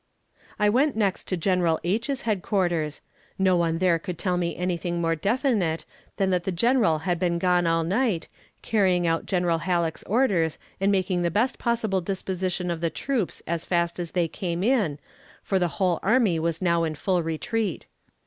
I went next to General H.'s headquarters. No one there could tell me anything more definite than that the general had been gone all night, carrying out General Halleck's orders and making the best possible disposition of the troops as fast as they came in, for the whole army was now in full retreat.